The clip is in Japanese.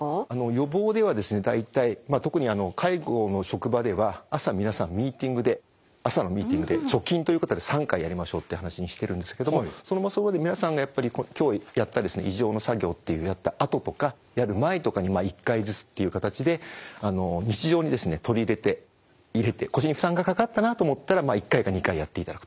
予防ではですね大体特に介護の職場では朝皆さんミーティングで朝のミーティングで貯金ということで３回やりましょうって話にしてるんですけどもその場その場で皆さんがやっぱり今日やった移乗の作業っていうやったあととかやる前とかに１回ずつっていう形で日常に取り入れて腰に負担がかかったなと思ったら１回か２回やっていただくと。